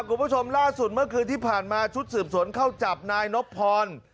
คุณผู้ชมล่าสุดเมื่อคืนที่ผ่านมาชุดสืบสวนเข้าจับนายนบพร